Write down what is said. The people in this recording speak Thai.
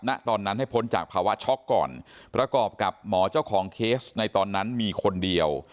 ณตอนนั้นให้พ้นจากภาวะช็อกก่อนประกอบกับหมอเจ้าของเคสในตอนนั้นมีคนเดียว